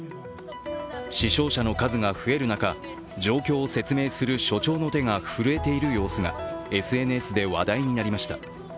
死傷者の数が増える中状況を説明する署長の手が震えている様子がＳＮＳで話題になりました。